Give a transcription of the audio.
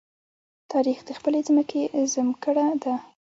تاریخ د خپلې ځمکې زمکړه ده.